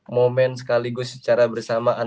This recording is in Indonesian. momen sekaligus secara bersamaan